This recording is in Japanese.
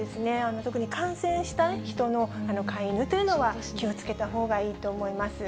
特に感染した人の飼いイヌというのは、気をつけたほうがいいと思います。